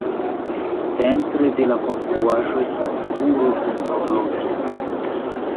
Centre de la konstruaĵo estas turo kun horloĝo.